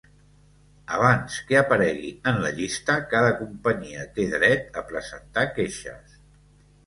Abans que aparegui en la llista, cada companyia té dret a presentar queixes.